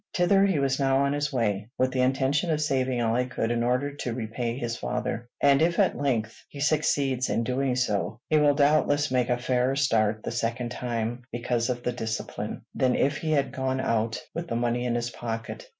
Thither he was now on his way, with the intention of saving all he could in order to repay his father; and if at length he succeeds in doing so, he will doubtless make a fairer start the second time, because of the discipline, than if he had gone out with the money in his pocket.